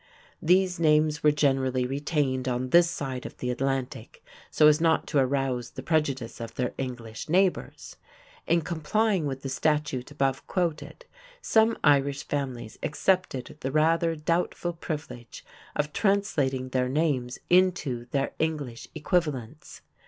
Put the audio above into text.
These names were generally retained on this side of the Atlantic so as not to arouse the prejudice of their English neighbors. In complying with the statute above quoted, some Irish families accepted the rather doubtful privilege of translating their names into their English equivalents.